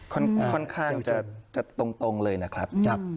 ค่อนข้างจะตรงเลยนะครับ